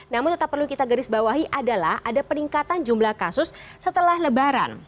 namun tetap perlu kita garis bawahi adalah ada peningkatan jumlah kasus setelah lebaran